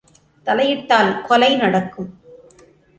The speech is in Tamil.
தலையிட்டால் கொலை நடக்கும்!